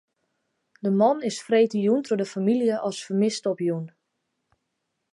De man is freedtejûn troch de famylje as fermist opjûn.